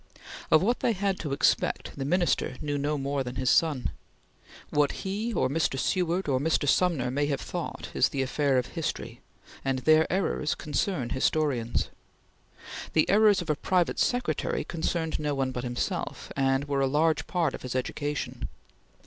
Of what they had to expect, the Minister knew no more than his son. What he or Mr. Seward or Mr. Sumner may have thought is the affair of history and their errors concern historians. The errors of a private secretary concerned no one but himself, and were a large part of his education.